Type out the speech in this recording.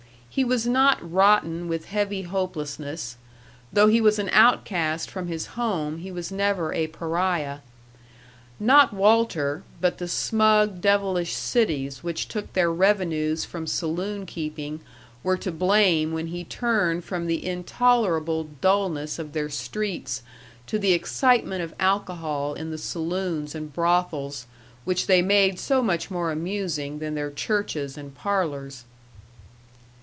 He was not rotten with heavy hopelessness; though he was an outcast from his home, he was never a pariah. Not Walter, but the smug, devilish cities which took their revenues from saloon keeping were to blame when he turned from the intolerable dullness of their streets to the excitement of alcohol in the saloons and brothels which they made so much more amusing than their churches and parlors.